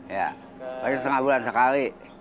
ya paling setengah bulan sekali